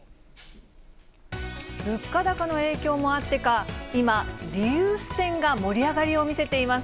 物価高の影響もあってか、今、リユース店が盛り上がりを見せています。